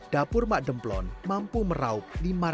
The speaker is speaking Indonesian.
dapur mademplon mampu meraup